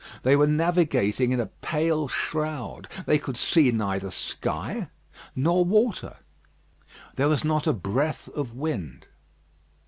They were navigating in a pale shroud. They could see neither sky nor water. There was not a breath of wind.